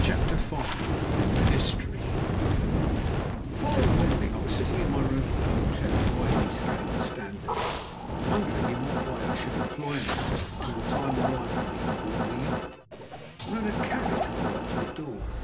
CHAPTER V MYSTERY The following morning I was sitting in my room at the hotel idly scanning the Standard, and wondering in what way I should employ myself until the time arrived for me to board the yacht, when I heard a carriage roll up to the door.